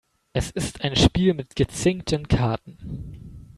Es ist ein Spiel mit gezinkten Karten.